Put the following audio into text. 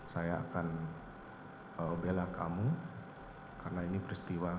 saya akan bela kamu karena ini peristiwa